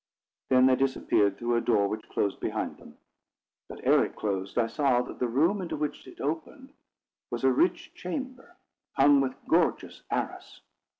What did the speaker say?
Then they disappeared through a door which closed behind them; but, ere it closed, I saw that the room into which it opened was a rich chamber, hung with gorgeous arras.